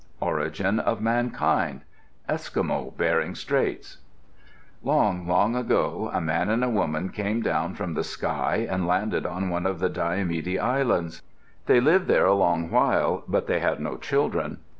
ORIGIN OF MANKIND Eskimo (Bering Straits) Long, long ago, a man and a woman came down from the sky and landed on one of the Diomede Islands. They lived there a long while, but they had no children.